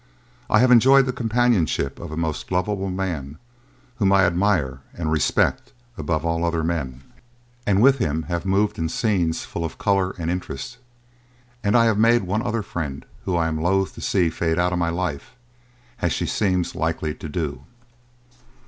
I have enjoyed the companionship of a most lovable man, whom I admire and respect above all other men, and with him have moved in scenes full of colour and interest. And I have made one other friend whom I am loth to see fade out of my life, as she seems likely to do."